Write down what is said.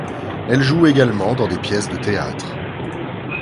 Elle joue également dans des pièces de théâtre.